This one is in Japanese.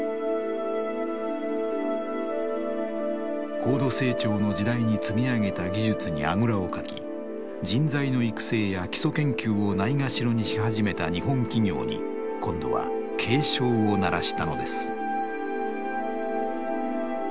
高度成長の時代に積み上げた技術にあぐらをかき人材の育成や基礎研究をないがしろにし始めた日本企業に今度は警鐘を鳴らしたのです。